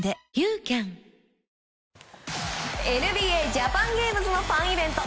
ＮＢＡジャパンゲームズのファンイベント。